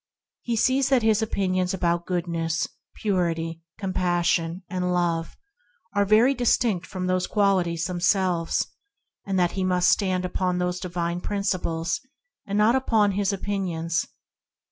He sees that his opinions about Goodness, Purity, Compassion, and Love are quite distinct from those qualities them selves, and that he must stand upon those divine Principles, and not upon his opinions.